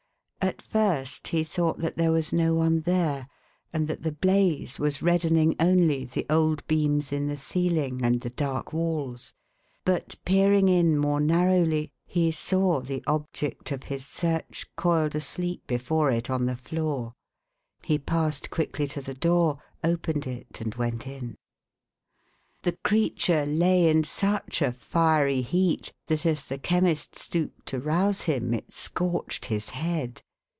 At first, he thought that there was no one there, and that the blaze was redden ing only the old beams in the ceiling and the dark walls ; but peering in more narrowly, he saw the object of his search coiled asleep before it on the floor. He passed quickly to the door, opened it, and went in. The creature lay in such a fiery heat, that, as the Chemi>t stooped to rouse him, it scorched his head.